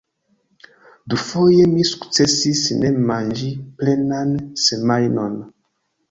Dufoje mi sukcesis ne manĝi plenan semajnon.